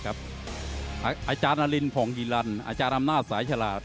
อาจารย์อรินผ่องฮิลันอาจารย์อำนาจสายฉลาด